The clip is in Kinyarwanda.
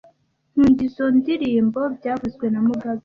Nkunda izoi ndirimbo byavuzwe na mugabe